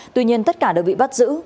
tuy nhiên tất cả đều bị bắt giữ